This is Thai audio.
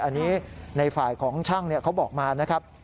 อันนี้ในฝ่ายของช่างเขาบอกมานะครับ